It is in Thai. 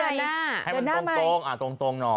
ให้มันตรงตรงหน่อย